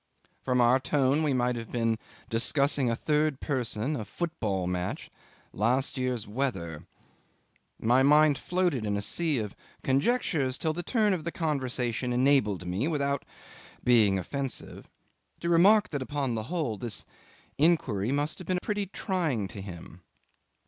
From our tone we might have been discussing a third person, a football match, last year's weather. My mind floated in a sea of conjectures till the turn of the conversation enabled me, without being offensive, to remark that, upon the whole, this inquiry must have been pretty trying to him.